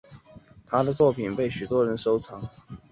她的作品被许多人收藏。